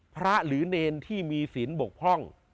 พระหรือเนรที่มีศิลปกพร่อง